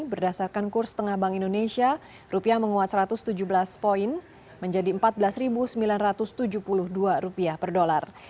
berdasarkan kurs tengah bank indonesia rupiah menguat satu ratus tujuh belas poin menjadi rp empat belas sembilan ratus tujuh puluh dua rupiah per dolar